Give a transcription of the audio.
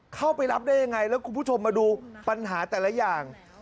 เข้าไปรับได้ยังไงแล้วคุณผู้ชมมาดูปัญหาแต่ละอย่าง